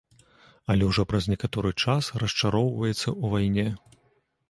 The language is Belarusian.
Але ўжо праз некаторы час расчароўваецца ў вайне.